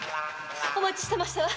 お待ちしてましたわ。